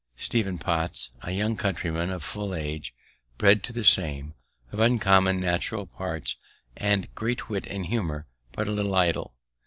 Stephen Potts, a young countryman of full age, bred to the same, of uncommon natural parts, and great wit and humor, but a little idle.